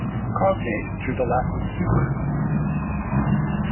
Cognate to the latin super.